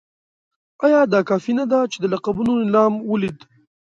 ایا دا کافي نه ده چې د لقبونو نېلام ولید.